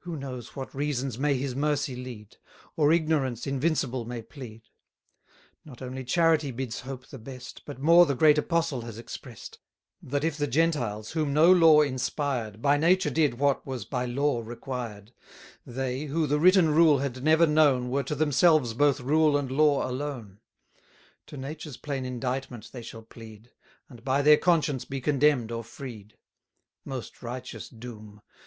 Who knows what reasons may His mercy lead; Or ignorance invincible may plead? Not only charity bids hope the best, But more the great apostle has express'd: That if the Gentiles, whom no law inspired, 200 By nature did what was by law required; They, who the written rule had never known, Were to themselves both rule and law alone: To nature's plain indictment they shall plead; And by their conscience be condemn'd or freed. Most righteous doom!